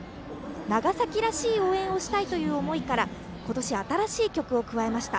長崎らしい応援をしたいという思いから今年、新しい曲を加えました。